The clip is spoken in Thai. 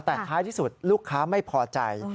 แต่ท้ายที่สุดลูกค้าไม่พอใจ